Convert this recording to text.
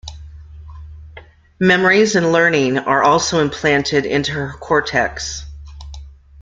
Memories and learning are also implanted into her cortex.